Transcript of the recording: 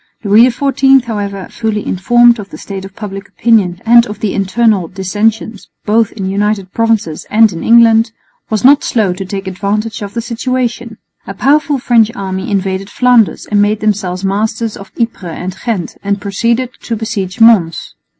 Louis XIV, however, fully informed of the state of public opinion and of the internal dissensions both in the United Provinces and in England, was not slow to take advantage of the situation. A powerful French army invaded Flanders and made themselves masters of Ypres and Ghent and proceeded to besiege Mons.